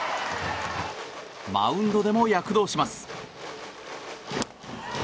マウンドでも躍動します。